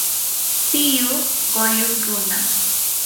tiyuu qulluq runam.